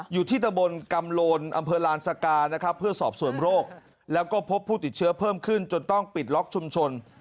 อยู่ที่ตะบนกำโลนอำเภอลานสกานะครับเพื่อสอบส่วนโรคแล้วก็พบผู้ติดเชื้อเพิ่มขึ้นจนต้องปิดล็อกชุมชน